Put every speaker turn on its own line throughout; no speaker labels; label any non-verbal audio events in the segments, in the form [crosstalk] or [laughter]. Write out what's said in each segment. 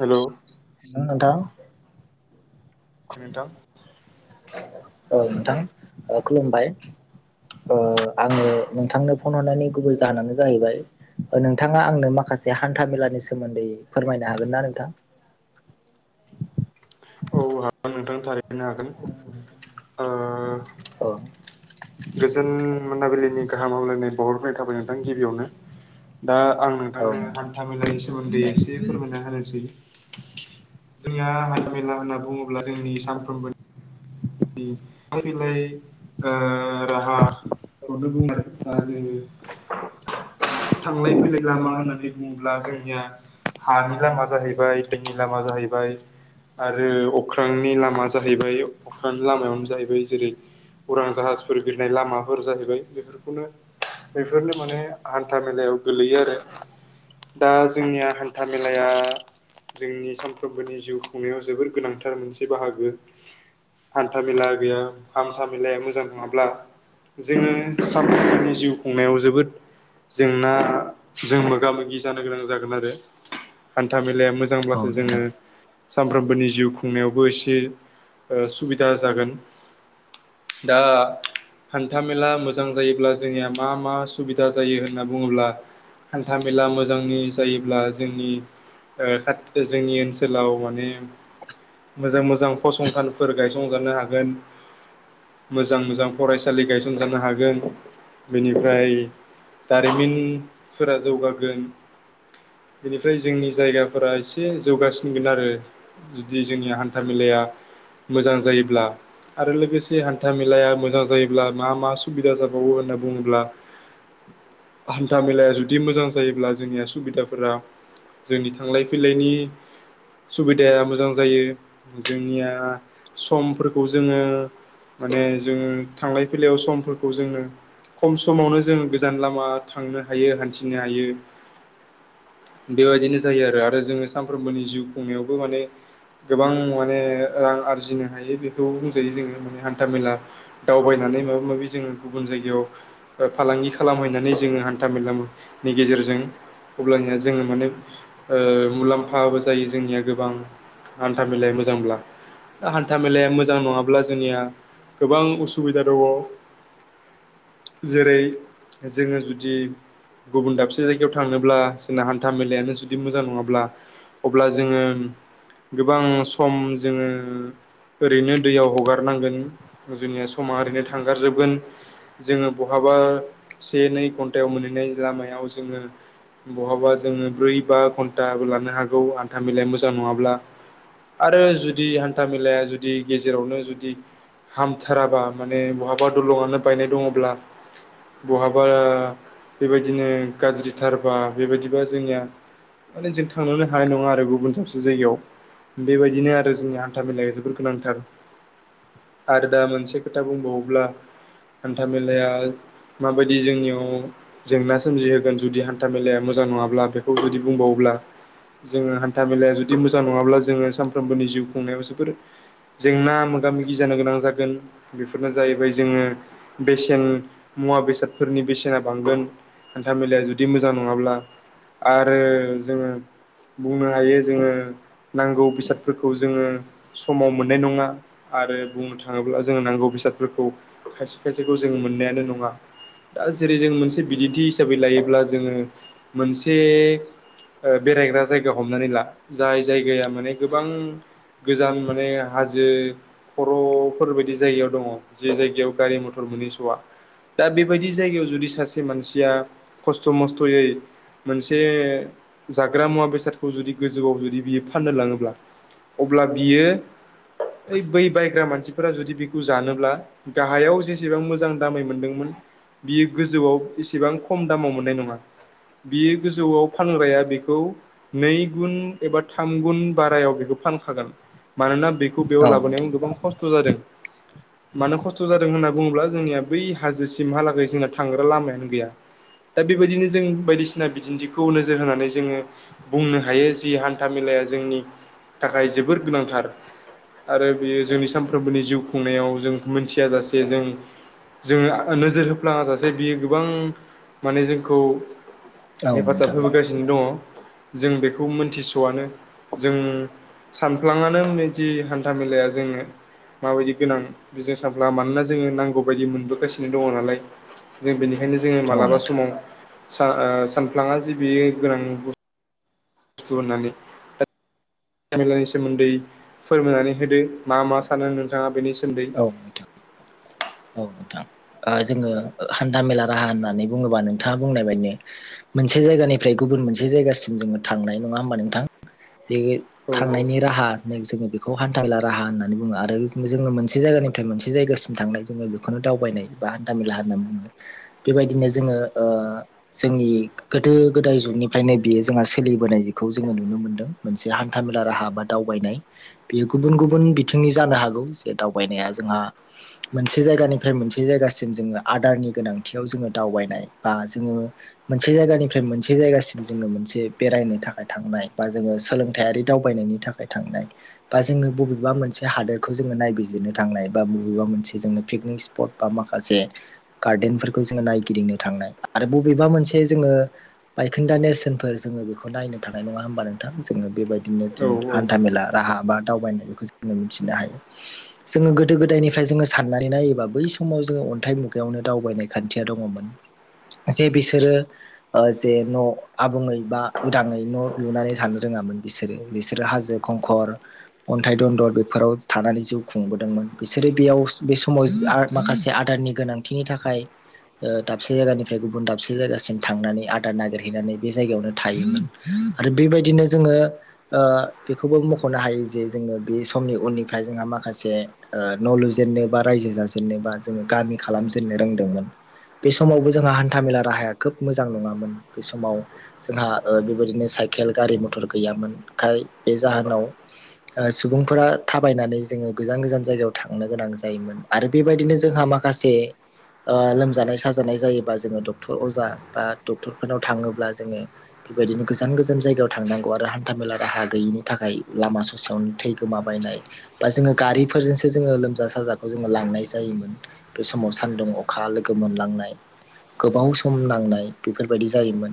Hello
ना नोंथां।
नोंथां।
औ नोंथां ओ खुलुमबाय। ओ आङो नोंथांनो फन हरनायनि गुबै जाहोनानो जाहैबाय नोंथाङा आंनो माखासे हान्था मेलानि सोमोन्दै फोरमायनो हागोन ना नोंथां? [inaudible]
औ हागोन नोंथां थारैनो हागोन ओ
अ।
गोजोन मोनाबिलिनि गाहाम हामलायनाय बावहरग्रोनाय थाबाय नोंथां गिबियावनो। दा आं
औ
नोंथांनो
नोंथां
हान्था मेलानि सोमोन्दै एसे फोरमायना होनोसै। जोंङा हान्थामेला होनना बुङोब्ला जोंनि सानफ्रोमबो नि बिलाय ओ राहा [unintelligible] थांलाय फैलाय लामा होननानै बुङोब्ला जोंनिया हानि लामा जाहैबाय, दैनि लामा जाहैबाय। आरो अख्रांनि लामा जाहैबाय। अख्रांनि लामायावनो जाहैबाय जेरै- उरां जाहाजफोर बिरनाय लामाफोर जाहैबाय बेफोरखौनो बेफोरनो माने हान्था मेलायाव गोलैयो आरो। दा जोंनिया हान्था मेलाया जोंनि सानफ्रोमबोनि जिउ खुंनायाव जोबोर गोनांथार मोनसे बाहागो। हान्था मेला गैया हान्था मेलाया मोजां नङाब्ला जोङो सानफ्रामनि जिउ खुंनायाव जोबोद जेंनाजों मोगा मोगि जानो गोनां जागोन आरो। हान्था मेलाया
औ
मोजांब्लासो जोङो
नोंथां
सामफ्रामबोनि जिउ खुंनायावबो एसे ओ सुबिदा जागोन। दा हान्थामेला मोजां जायोब्ला जोंनिया मा मा सुबिदा जायो होनना बुङोब्ला हान्था मेला मोजांनि जायोब्ला जोंनि ओ खाथ जोंनि ओनसोलाव माने मोजां मोजां फसंथान फोर गायसंजानो हागोन। मोजां मोजां फरायसालि गायसनजानो हागोन। बेनिफ्राय दारिमिनफोरा जौगागोन। बेनिफ्राय जोंनि जायगाफोरा एसे जौगासिनगोन आरो जुदि जोंनि हान्था मेलाया मोजां जायोब्ला आरो लोगोसे हान्था मेलाया मोजां जायोब्ला मा मा सुबिदा जाबावो होनना बुङोब्ला
[inaudible]
हान्था मेलाया जुदि मोजां जायोब्ला जोंनिया सुबिदाफोरा जोंनि थांलाय फैलायनि सुबिदाया मोजां जायो जोंनिया समफोरखौ जोङो माने जोङो थांलाय फैलायाव समफोरखौ जोङो खम समावनो जों गोजान लामा थांनो हायो हान्थिनो हायो बेबायदिनो जायो आरो आरो जोङो सानफ्रोमबोनि जिउ खुंनायावबो माने गोबां माने रां आर जिनो हायो बेखौ बुंजायो जोङो माने हान्था मेला दावबायनानै माबा माबि जोङो गुबुन जायगायाव फालांगि खालामहैनानै जोङो हान्था मेलानि गेजेरजों अब्लानिया जोङो माने मुलाम्फाबो जायो जोंनिया गोबां हान्था मेलाया मोजांब्ला हान्था मेलाया मोजां नङाब्ला जोंनिया गोबां उसुबिदा दङ। जेरै जोङो जुदि गुबुन दाबसे जायगायाव थांनोब्ला जोंना हान्था मेलायानो जुदि मोजां नङाब्ला अब्ला जोङो गोबां सम जोङो ओरैनो दैयाव हगारनांगोन जोंनिया समा ओरैनो थांगारजोबगोन जोङो बहाबा से नै घन्टायाव मोनहैनाय लामायाव जोङो बहाबा जोङो ब्रै बा घन्टाबो लानो हागौ हान्था मेलाया मोजां नङाब्ला आरो जुदि हान्था मेलाया जुदि गेजेरावनो जुदि हामथाराबा माने बहाबा दलंनो बायनाय दङब्ला बहाबा बेबायदिनो गाज्रिथारबा बेबायदिबा जोंनिया माने जों थांनोनो हानाय नङा आरो गुबुन साबसे जायगायाव बेबायदिनो आरो जोंनि हान्था मेलाया जोबोर गोनांथार आरो दा मोनसे खोथा बुंबावोब्ला हान्था मेलाया माबायदि जोंनियाव जेंना सोमजिहोगोन जुदि हान्था मेलाया मोजां जां नङाब्ला बेखौ जुदि बुंबावोब्ला जोङो हान्था मेलाया जुदि मोजां नङाब्ला जोङो सानफ्रोमबोनि जिउ खुंनायाव जोबोर जेंना मोगा मोगि जानो गोनां जागोन बेफोरनो जाहैबाय जोङो बेसेन मुवा बेसादफोरनि बेसेना बांगोन हान्था मेलाया जुदि मोजां नङाब्ला आरो जोङो बुंनो हायो जोङो नांगौ बेसादफोरखौ जोङो समाव मोननाय नङा आरो बुंनो थाङोब्ला जोङो नांगौ बेसादफोरखौ खायसे खायसेखौ जोंङो मोननायानो नङा दा जेरै जों मोनसे बिदिन्थि हिसाबै लायोब्ला जोङो मोनसे बेरायग्रा जायगा हमनानै ला जाय जायगाया माने गोबां गोजान माने हाजो खर'फोर बायदि जायगायाव दङ जे जायगायाव गारि मथर फोर मोनहै स'आ दा बेबायदि जायगायाव जुदि सासे मानसिया खस्थ' मस्थ'यै मोनसे जाग्रा मुवा बेसादखौ जुदि गोजौआव जुदि बियो फाननो लाङोब्ला अब्ला बियो ओइ बै बायग्रा मानसिफोरा जुदि बेखौ जानोब्ला गाहायाव जेसेबां मोजां दामै मोनदोंमोन बियो गोजौआव एसेबां खम दामाव मोननाय नङा। बियो गोजौआव फानग्राया बेखौ नै गुन एबा थाम गुन बारायाव बेखौ फानखागोन मानोना बेखौ बेयाव
औ
लाबोनायाव
नोंथां
गोबां खस्थ' जादों। मानो खस्थ' जादों होनना बुङोब्ला जोंनिया बै हाजोसिमहालागै जोंना थांग्रा लामायानो गैया। दा बेबायदिनो जों बायदिसिना बिदिन्थिखौ नोजोर होनानै जोङो बुंनो हायो जि हान्था मेला जोंनि थाखाय जोबोर गोनांथार आरो बेयो जोंनि सानफ्रोमबोनि जिउ खुंनायाव जों मोनथियाजासे जों जोङो नोजोर होफ्लाङा जासे बियो गोबां माने जोंखौ
औ
हेफाजाब
नोंथां
होबोगासिनो दङ जों बेखौ मोनथिस'आनो जों सानफ्लाङानो होनै जि हान्था मेलाया जोंनो माबायदि गोनां बेजों सानफ्ला मानोना जोङो नांगौ बायदि मोनबोगासिनो दङ नालाय जों बेनिखनो बे ओंखायनो जोङो
औ नोंथां औ
मालाबा
नोंथां
समाव सा- ओ सानफ्लाङा जे बियो गोनां बु स्थु होननानै [unintelligible] सोमोन्दै फोरमायनानै होदो मा मा सानो नोंथाङा बेनि सो
औ [unintelligible] नोंथां ओ जोङो हान्था मेला राहा होननानै बुङोबा नोंथाङा बुंनाय बायदिनो मोनसे जायगानिफ्राय गुबुन मोनसे जायगासिम जोङो थांनाय नङा होमबा नोंथां? बे
औ
थांनायनि राहा [unintelligible] जोङो बेखौ हान्था मेला राहा होननानै बुङो आरो जोङो मोनसे जायगानिफ्राय मोनसे जायगासिम थांनाय जोङो बेखौनो दावबायनाय बा हान्था मेला होनना बुङो। बेबायदिनो जोङो ओ जोंनि गोदो गोदाय जु गनिफ्रायनो बेयो जोंहा सोलिबोनायखौ जोङो नुनो मोनदों मोनसे हान्थाामेला राहा बा दावबायनाय बे गुबुन गुबुन बिथिंनि जानो हागौ जे दावबायनाया जोंहा मोनसे जायगानिफ्राय मोन से जायगासिम जोङो आदारनि गोनांथियाव जोङो दावबायनाय बा जोङो मोनसे जायगानिफ्राय मोनसे जायगासिम जोङो मोनसे बेरायनो थाखाय थांनाय बा जोङो सोलोंथायारि दावबायनायनि थाखाय थांनाय बा जोङो बबेबा मोनसे हादोरखौ जोङो नायबिजिरनो थांनाय बा बबेबा मोनसे जोङो पिकनिक स्पट बा माखासे गार्देनफोरखौ जोङो नायगिदिंनो थांनाय आरो बबेबा मोनसे जोङो बायखोन्दा नेरसोनफोर जोङो बेखौ नायनो थानाय नङा होमबा नोंथां जोङो बेबायदिनो
औ
जोङो हान्था मेला राहा बा दावबायनाय बेखौ जोङो मिथिनो हायो। जोङो गोदो गोदायनिफ्राय जोङो साननानै नायोबा बै समाव जोङो अन्थाइ मुगायावनो दावबायनाय खान्थिया दङमोन। जे बिसोरो ओ जे न' आबुङै बा उदाङै न' लुनानै जानो रों ङामोन बिसोरो बिसोरो हाजो खंखर अन्थाइ दन्दर बेफोराव थानानै जिउ खुंबोदोंमोन। बिसोरो बेयाव बे समाव माखासे आ-आदारनि गोनांथिनि थाखाय ओ दाबसे जायगानिफ्राय गुबुन दाबसे जायगासिम थांनानै आदार नागिरहैनानै बे जायगायावनो थायोमोन। आरो बेबायदिनो जोङो ओ बेखौबो मख'नो हायो जे जोङो बे समनि उननिफ्राय जोंहा माखासे ओ न' लुजेननो बा रायजो जा जेननोबा जोङो गामि खालामजेननो रोंदोंमोन। बे समावबो जोंहा हान्थाामेला राहाया खोब मोजां नङामोन, बे समाव जोंहा बेबायदिनो सायखेल गारि मटर गैयामोनखाय बे जाहोनाव सुबुंफोरा थाबायनानै जे गोजान गोजान जायगायाव थांनो गोनां जायोमोन आरो बेबायदिनो जोंहा माखासे ओ लोमजानाय साजानाय जायोबा जोङो डक्टर अजा बा डक्टरफोरनाव थाङोब्ला जोङो बेबायदिनो गोजान गोजान जायगायाव थांनांगौ आरो हान्थाामेला राहा गैयिनि थाखाय लामा ससेयावनो थै गोमाबाय बा जोङो गारिफोरजों सो जोङो साजाखौ जों जोङो लांनाय जायोमोन। बे समाव सान्दुं अखा लोगो मोनलांनाय गोबाव सम नांनाय बेफोरबायदि जायोमोन।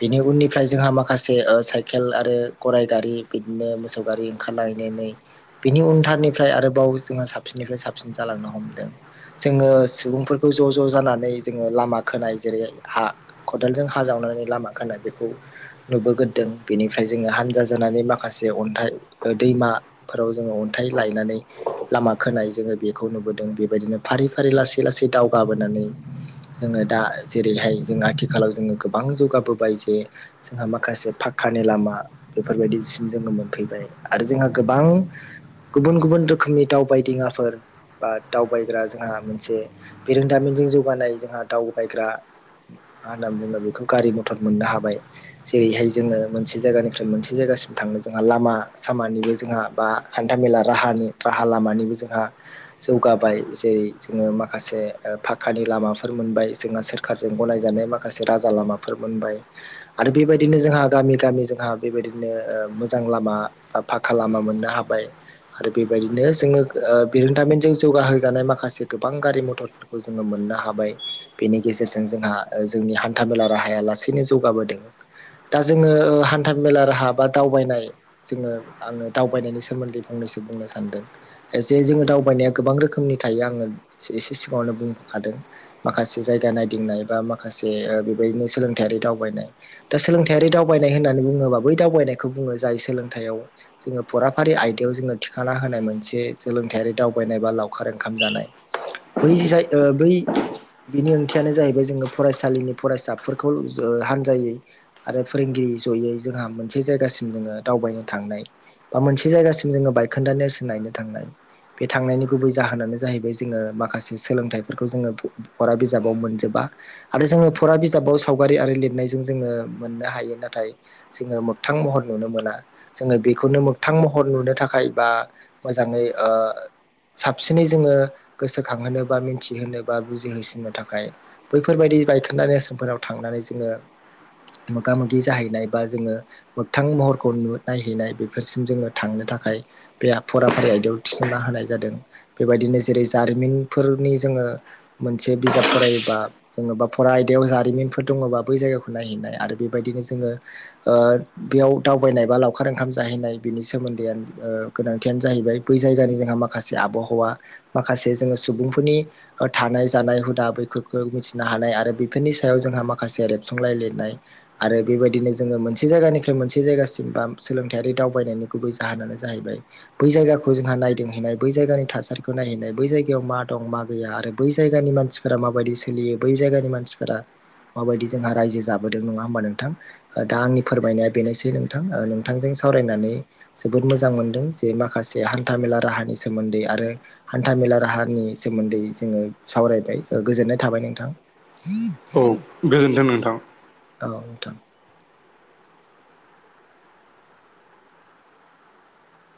बेनि उननिफ्राय जोंहा माखासे ओ साइकेल आरो गराइ गारि बिदिनो मोसौ गारि ओंखारलायनो बिनि उनथारनिफ्राय आरोबाव जोंहा साबसिननिफ्राय साब सिन जालांनो हमदों। जोङो सुबुंफोरखौ ज' ज' जानानै जोङो लामा खोनाय जेरै हा खदालजों हाजावनानै लामा खोनाया बेखौ नुबोग्रोदों, बेनिफ्राय जोङो हानजा जानानै माखासे जे अन्थाइ दैमाफोराव जोङो अन्थाइ लायनानै लामा खोनाय जोङो बेखौ नुबोदों बेबायदिनो फारि फारि लासै लासै दावगाबोनानै जोङो दा जेरैहाय जों आथिखालाव जों गोबां जौगाबोबाय जे जोंहा माखासे फा कानि लामा बेफोरबायदिसिम जोङो मोनफैबाय आरो जोंहा गोबां गुबुन गुबुन रोखोमनि दावबायदिङाफोर बा दावबायग्रा जोंहा मोनसे बिरोंदामिनजों जौगानाय जोंहा दावबायग्रा मा होनना बुंनो बेखौ गारि मटर मोननो हाबाय। जेरैहाय जोङो मोनसे जायगानिफ्राय मोनसे जायगा गासिम थांनो जोंहा लामा सामानिबो जोंहा बा हान्थामेला राहानि राहा लामानिबो जोंहा जौगाबाय जेरै जोङो माखासे फाखानि लामाफोर मोनबाय जोंहा सोरखारजों गनायजानाय माखासे राजा लामाफोर मोनबाय। आरो बेबायदिनो जोंहा गामि गामि जोंहा बेबायदिनो ओ मोजां लामा बा फाका लामा मोननो हाबाय आरो बेबायदिनो जोङो ओ बिरोंदामिनजों जौगाहजानाय माखासे गोबां गारि मटरफोरखौ जोङो मोननो हाबाय बेनि गेजेरजों जोंहा जोंनि हान्थामेला राहाया लासेैनो जौगाबोदों। दा जोङो हान्था मेला राहा बा दावबायनाय जोङो आङो दावबायनायनि सोमोन्दै बुंनो फंनैसो बुंनो सानदों। जे जोङो दावबायनाया गोबां रोखोमनि थायो आङो एसे सिगाङावनो बुंखादों। माखासे जायगा नायदिंनाय बा मा खासे बेबायदिनो सोलोंथायारि दावबायनाय दा सोलोंथायारि दावबायनाय होननानै बुङोबा बै दावबायनायखौ जोङो जाय सोलोंथाइयाव जोङो फराफारि आयदायाव जोङो थिखाना होनाय मोनसे सोलोंथारि दावबायनाय बा लावखार ओंखाम जानाय बै जाय बै बनि ओंथि थियानो जाहैबाय जोङो फरायसालिनि फरायसाफोरखौ हानजायै आरो फोरोंगिरि जयै जों जोंहा मोनसे जायगासिम जोङो दावबायनो थांनाय। बा मोनसे जायगासिम जोङो बायखोन्दा नेरसोन नायनो थांनाय। बे थांनायनि गुबै जाहोनानो जाहैबाय जोङो माखासे सोलोंथाइफोरखौ जोङो फरा बिजाबाव मोन जोबा आरो जोङो फरा बिजाबाव सावगारि आरो लिरनायजों जोङो मोननो हायो नाथाय जोङो मोगथां महर नुनो मोना जोङो बेखौनो मोगथां महर नुनो थाखाय बा मोजाङै ओ साबसिनै जोङो गोसोखांहोनो बा मिथिहोनो बा बुजिहोसिननो थाखाय बैफोरबाय दि बायखोन्दा नेरसोनफोराव थांनानै जोङो मोगा मोगि जाहैनाय बा जोङो मोगथां महरखौ नु नायहैनाय बेफोरसिम जोङो थांनो था थाखाय बे फराफारि आयदायाव सोना होनाय जादों बेबायदिनो जेरै जारिमिनफोरनि जोङो मोनसे बिजाब फरायोबा जेनबा फरा आयदायाव जारिमिनफोर दङबा बै जायगाखौ नायहैनाय आरो बेबायदिनो जोङो ओ बेयाव दावबायनाय बा लावखार ओंखाम जाहैनाय बेनि सोमोन्दैआ गोनांथियानो जाहैबाय बै जायगानि जोंहा माखासे आबहावा माखासे जोङो सुबुंफोरनि थानाय जानाय हुदा बै फोरखौ मिथिनो हानाय आरो बेफोरनि सायाव जोंहा माखासे रेबथुमलाय लिरनाय आरो बेबायदिनो जोङो मोनसे जायगानिफ्राय मोनसे जायगासिम बा सोलोंथाइयारि दावबायनायनि गुबै जाहोनानो जाहैबाय बै जायगाखौ खौ जोंहा नायदोंहैनाय बै जायगानि थासारिखौ नायहैनाय बै जायगायाव मा दं मा गैया आरो बै जायगानि मानसिफोरा मा माबायदि सोलियो बै जायगानि मानसिफोरा माबायदि जोंहा रायजो जाबोदों नङा होमबा नोंथां दा आंनि फोरमायनाया बेनोसै नोंथां ओ नोंथांजों सावरायनानै जोबोद मोजां मोनदों जे माखासे हान्था मेला राहानि सोमोन्दै आरो हान्था मेला राहानि सोमोन्दै जोङो सावरायबाय। गोजोननाय थाबाय नोंथां।
औ गोजोन्थों नोंथां।
औ नोंथां।